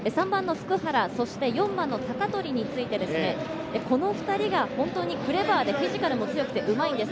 普久原、鷹取について、この２人が本当にクレバーでフィジカルも強くてうまいんです。